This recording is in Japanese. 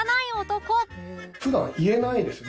普段言えないですよね？